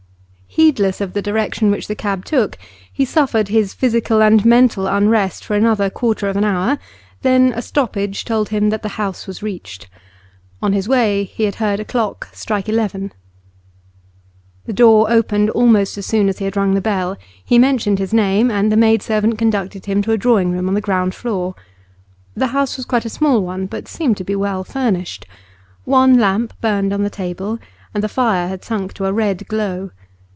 Heedless of the direction which the cab took, he suffered his physical and mental unrest for another quarter of an hour, then a stoppage told him that the house was reached. On his way he had heard a clock strike eleven. The door opened almost as soon as he had rung the bell. He mentioned his name, and the maid servant conducted him to a drawing room on the ground floor. The house was quite a small one, but seemed to be well furnished. One lamp burned on the table, and the fire had sunk to a red glow.